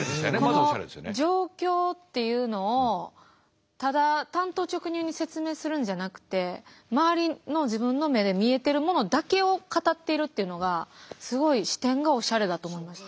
この状況っていうのをただ単刀直入に説明するんじゃなくて周りの自分の目で見えてるものだけを語っているっていうのがすごい視点がおしゃれだと思いました。